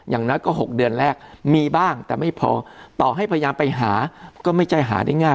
อย่างน้อยก็๖เดือนแรกมีบ้างแต่ไม่พอต่อให้พยายามไปหาก็ไม่ใช่หาได้ง่าย